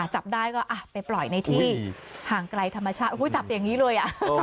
จับได้ก็ไปปล่อยในที่ห่างไกลธรรมชาติจับอย่างนี้เลย